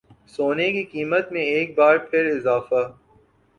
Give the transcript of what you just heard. سونے کی قیمت میں ایک بار پھر اضافہ